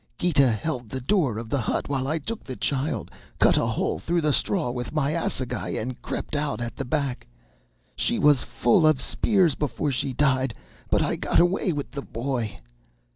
Gita held the door of the hut while I took the child, cut a hole through the straw with my assegai, and crept out at the back. She was full of spears before she died, but I got away with the boy.